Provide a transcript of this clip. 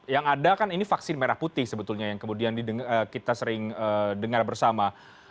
yang ada kan ini vaksin merah putih sebetulnya yang kemudian kita sering dengar bersama